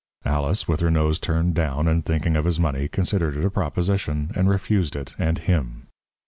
Alice, with her nose turned down, and thinking of his money, considered it a proposition, and refused it and him.